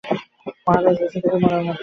মহারাজ বেঁচে থেকেও মরার মতন।